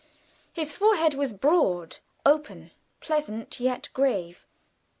His forehead was broad, open, pleasant, yet grave.